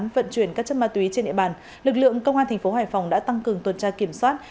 vận chuyển các chất ma túy trên địa bàn lực lượng công an tp hoài phòng đã tăng cường tuần tra kiểm soát